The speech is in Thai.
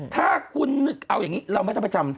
ถ้าคุณนึกเอาอย่างนี้เราไม่ต้องไปจำ